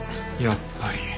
やっぱり。